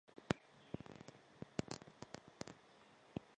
市树是一个城市的代表树木。